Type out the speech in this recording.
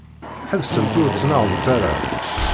Ḥebsemt ur ttnaɣemt ara.